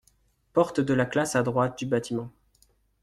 Porte de la classe à droite du bâtiment.